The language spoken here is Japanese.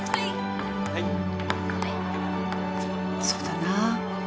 そうだなぁ。